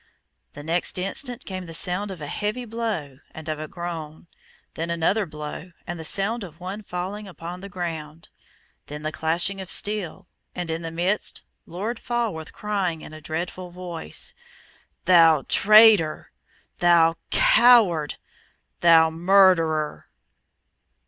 The next instant came the sound of a heavy blow and of a groan, then another blow and the sound of one falling upon the ground. Then the clashing of steel, and in the midst Lord Falworth crying, in a dreadful voice, "Thou traitor! thou coward! thou murderer!"